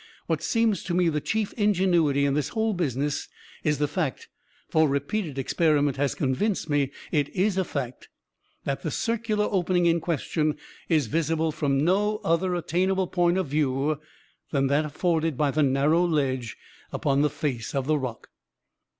What seems to me the chief ingenuity in this whole business, is the fact (for repeated experiment has convinced me it is a fact) that the circular opening in question is visible from no other attainable point of view than that afforded by the narrow ledge upon the face of the rock.